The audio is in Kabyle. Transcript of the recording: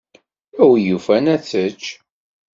A win yufan ad tečč.